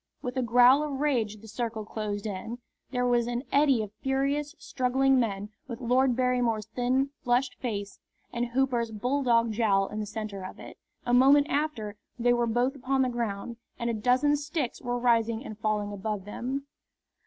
With a growl of rage the circle closed in. There was an eddy of furious, struggling men, with Lord Barrymore's thin, flushed face and Hooper's bulldog jowl in the centre of it. A moment after they were both upon the ground, and a dozen sticks were rising and falling above them.